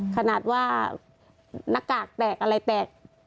ขนาดว่าหน้ากากแตกอะไรแตก